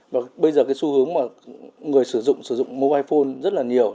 và bây giờ cái xu hướng mà người sử dụng sử dụng mobile phone rất là nhiều